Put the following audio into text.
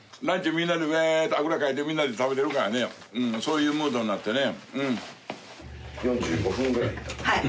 みんなでウェイとあぐらかいてみんなで食べてるからねそういうムードになってね。